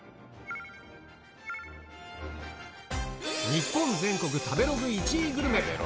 日本全国食べログ１位グルメ。